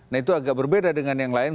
nah itu agak berbeda dengan yang lain